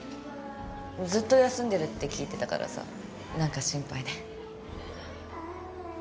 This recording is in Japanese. ずっと休んでるって聞いてたからさ何か心配で。